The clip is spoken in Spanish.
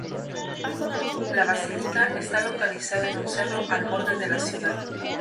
La basílica está localizada en un cerro al borde de la ciudad.